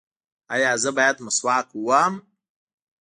ایا زه باید مسواک ووهم؟